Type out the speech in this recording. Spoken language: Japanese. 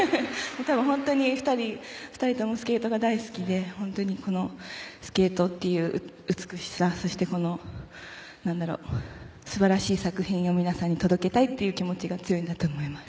本当に２人ともスケートが大好きでスケートという美しさ素晴らしい作品を皆さんに届けたいという気持ちが強いんだと思います。